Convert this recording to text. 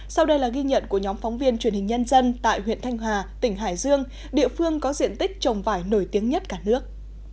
sau đây là ghi nhận của nhóm phóng viên truyền hình nhân dân tại huyện thanh hà tỉnh hải dương địa phương có diện tích trồng vải nổi tiếng nhất cả nước